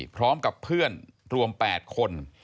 พร้อมกับเพื่อนรวม๘คน